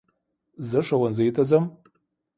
زه ښونځي ته ځم.